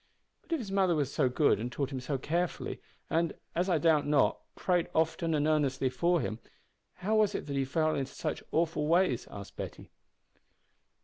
"But if his mother was so good and taught him so carefully, and, as I doubt not, prayed often and earnestly for him, how was it that he fell into such awful ways?" asked Betty.